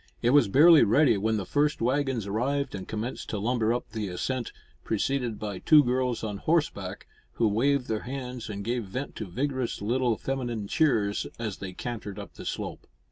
It was barely ready when the first waggons arrived and commenced to lumber up the ascent, preceded by two girls on horseback, who waved their hands, and gave vent to vigorous little feminine cheers as they cantered up the slope.